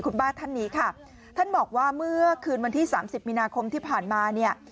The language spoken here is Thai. คุณป้าท่านนี้ค่ะท่านบอกว่าเมื่อคืนวันที่สามสิบมีนาคมที่ผ่านมาเนี่ย